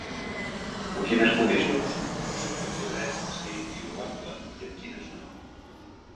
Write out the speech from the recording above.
En quines condicions una persona té dret de ser inviolable i en quines no?